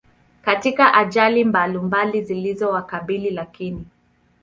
Katika ajali mbalumbali zilizo wakabili Lakini